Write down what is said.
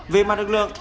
về mặt lực lượng